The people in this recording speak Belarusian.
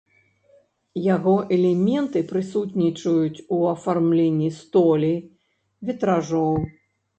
Яго элементы прысутнічаюць у афармленні столі, вітражоў.